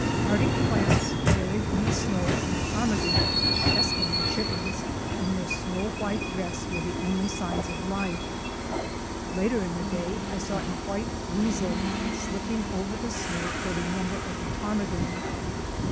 Arctic plants buried in the snow and ptarmigan —" Eskimo chickens" — in their snow white dress were the only signs of life. Later in the day I saw a white weasel slipping over the snow toward a number of the ptarmigan.